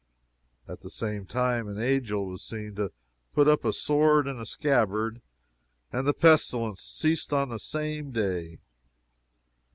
At the same time an angel was seen to put up a sword in a scabbard, and the pestilence ceased on the same day.